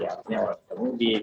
ini orang orang mudik